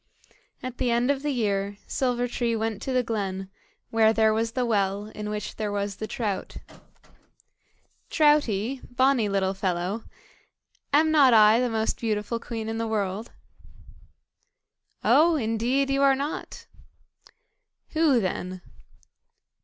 At the end of the year, Silver tree went to the glen, where there was the well, in which there was the trout. "Troutie, bonny little fellow," said she, "am not I the most beautiful queen in the world?" "Oh! indeed you are not." "Who then?"